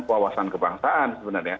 kewawasan kebangsaan sebenarnya